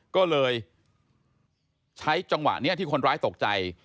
ก็เลยใช้จังหวะนี้ที่คนร้ายตกใจ